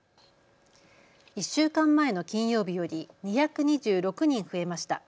１週間前の金曜日より２２６人増えました。